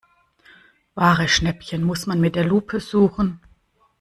Wahre Schnäppchen muss man mit der Lupe suchen.